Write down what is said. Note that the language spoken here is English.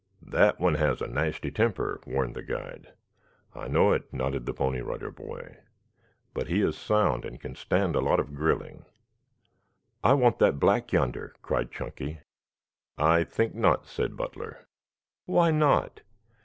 "That one has a nasty temper," warned the guide. "I know it," nodded the Pony Rider Boy. "But he is sound and can stand a lot of grilling." "I want that black yonder," cried Chunky. "I think not," said Butler. "Why not?"